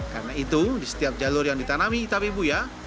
karena itu di setiap jalur yang ditanami tabi buia